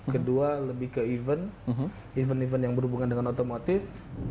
kedua lebih ke event event yang berhubungan dengan otomotif